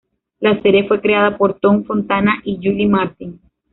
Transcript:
La serie fue creada por Tom Fontana y Julie Martin.